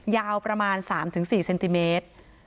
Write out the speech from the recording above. ยาวประมาณ๓๔เซนติเมตร